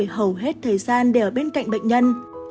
hầu hết thời gian đều ở bên cạnh bệnh nhân